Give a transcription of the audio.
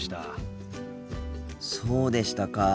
そうでしたか。